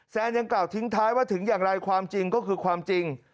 ยังกล่าวทิ้งท้ายว่าถึงอย่างไรความจริงก็คือความจริง